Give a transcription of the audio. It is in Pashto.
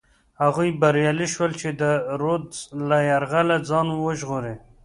هغوی بریالي شول چې د رودز له یرغله ځان وژغوري.